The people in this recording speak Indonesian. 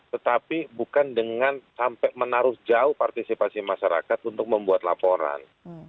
tetapi bukan dengan sampai menaruh jauh partisipasi masyarakat untuk membuat laporan